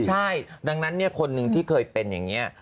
ใช่ดังนั้นคนหนึ่งที่เคยเป็นอย่างนี้